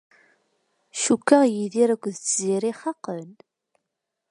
Cukkeɣ Yidir akked Tiziri xaqen.